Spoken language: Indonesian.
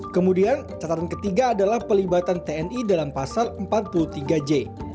kemudian catatan ketiga adalah pelibatan tni dalam pasal empat puluh tiga j